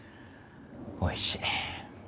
おいしい。